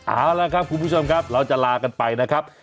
เอาละครับคุณผู้ชมครับเราจะลากันไปนะครับ